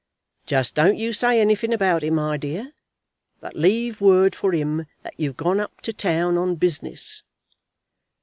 "Just don't you say anything about it, my dear, but leave word for him that you've gone up to town on business."